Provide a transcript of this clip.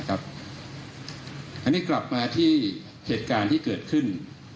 อันนี้กลับมาที่เหตุการณ์ที่เกิดขึ้น